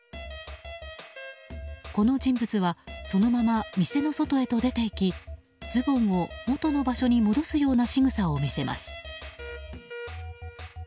この人物はそのまま店の外へと出て行きズボンをもとの場所に戻すようなしぐさを見せます。